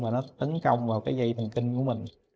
và nó tấn công vào cái dây thần kinh của mình